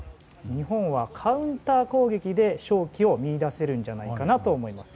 日本はカウンター攻撃で勝機を見いだせるんじゃないかと思います。